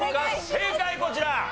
正解こちら！